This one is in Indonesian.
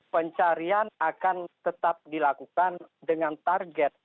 pencarian akan tetap dilakukan dengan target